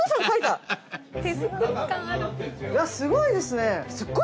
すごいですね。